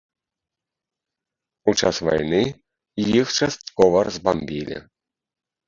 У час вайны іх часткова разбамбілі.